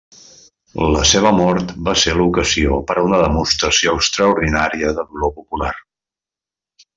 La seva mort va ser l'ocasió per a una demostració extraordinària de dolor popular.